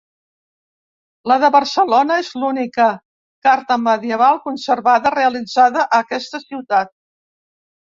La de Barcelona és l'única carta medieval conservada realitzada a aquesta ciutat.